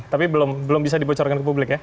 tapi belum bisa dibocorkan ke publik ya